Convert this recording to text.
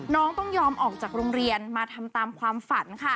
น้องต้องยอมออกจากโรงเรียนมาทำตามความฝันค่ะ